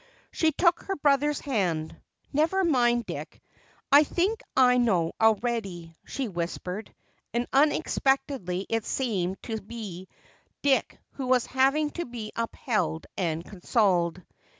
She took her brother's hand. "Never mind, Dick, I think I know already," she whispered, and unexpectedly it seemed to be Dick who was having to be upheld and consoled.